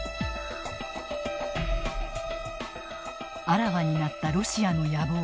あらわになったロシアの野望。